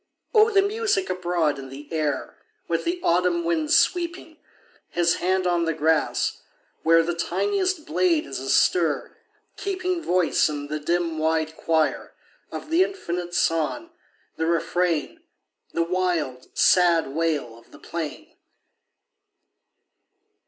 O the music abroad in the air, With the autumn wind sweeping His hand on the grass, where The tiniest blade is astir, keeping Voice in the dim, wide choir, Of the infinite song, the refrain, The wild, sad wail of the plain